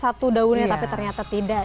satu daunnya tapi ternyata tidak